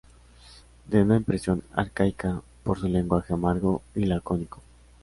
Da una impresión arcaica por su lenguaje amargo y lacónico.